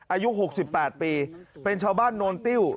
อายุ๖๘ปีเป็นชาวบ้านโนนติ้ว